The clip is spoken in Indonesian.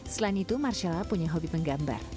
selain itu marcella punya hobi penggambar